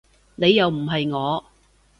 你又唔係我